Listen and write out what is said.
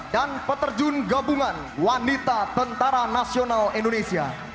dan peterjun gabungan wanita tentara nasional indonesia